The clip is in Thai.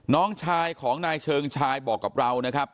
น้องชายของนายเชิงชายบอกกับเรานะครับ